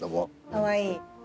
かわいい。